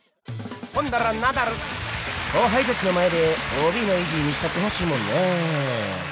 ほんだらナダル後輩たちの前でＯＢの意地見したってほしいもんね。